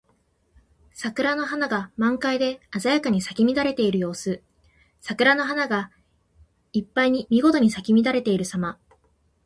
桜の花が満開で鮮やかに咲き乱れている様子。桜の花がいっぱいにみごとに咲き乱れているさま。